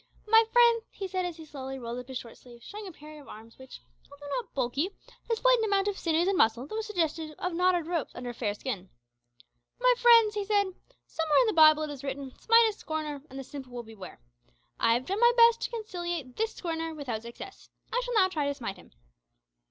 "My friends," he said, as he slowly rolled up his shirt sleeves, showing a pair of arms which, although not bulky, displayed an amount of sinews and muscle that was suggestive of knotted ropes under a fair skin "My friends," he said, "somewhere in the Bible it is written, `Smite a scorner, and the simple will beware.' I have done my best to conciliate this scorner without success; I shall now try to smite him."